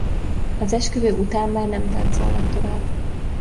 Az esküvő után már nem táncolnak tovább.